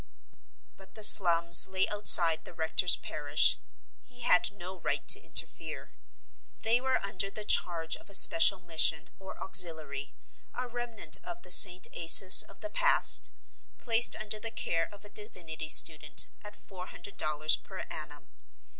But the slums lay outside the rector's parish. He had no right to interfere. They were under the charge of a special mission or auxiliary, a remnant of the St. Asaph's of the past, placed under the care of a divinity student, at four hundred dollars per annum.